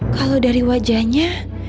kalau dari wajahnya